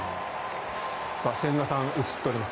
千賀さん映っております。